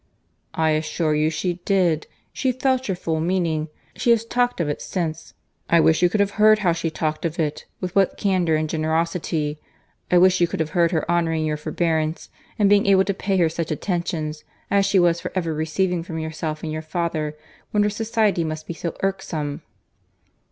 "I assure you she did. She felt your full meaning. She has talked of it since. I wish you could have heard how she talked of it—with what candour and generosity. I wish you could have heard her honouring your forbearance, in being able to pay her such attentions, as she was for ever receiving from yourself and your father, when her society must be so irksome."